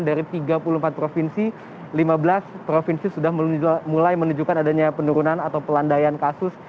dari tiga puluh empat provinsi lima belas provinsi sudah mulai menunjukkan adanya penurunan atau pelandaian kasus